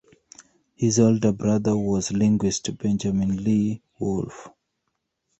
His older brother was linguist Benjamin Lee Whorf.